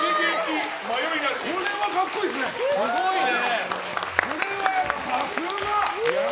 これは格好いいですね。